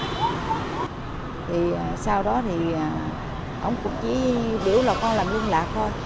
thì sau đó thì ông cũng chỉ biểu là con làm liên lạc thôi